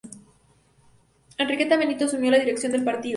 Enriqueta Benito asumió la dirección del partido.